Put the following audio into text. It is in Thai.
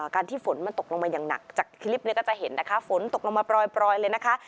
ที่ฝนมันตกลงมาอย่างหนักจากคลิปนี้ก็จะเห็นนะคะฝนตกลงมาปล่อยเลยนะคะ